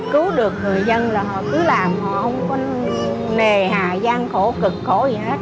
cứu được người dân là họ cứ làm họ không có nề hà gian khổ cực khổ gì hết